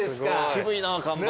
渋いな看板。